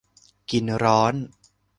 กินร้อน